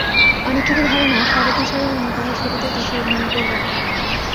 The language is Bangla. অনেকেরই ধারণা, ফারুকী ছাড়া অন্য কারও ছবিতে তিশা অভিনয় করবেন না।